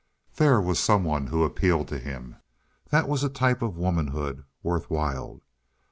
There was someone that appealed to him. That was a type of womanhood worth while.